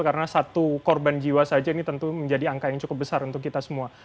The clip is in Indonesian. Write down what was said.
karena satu korban jiwa saja ini tentu menjadi angka yang cukup besar untuk kita semua